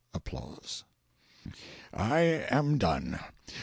I am done.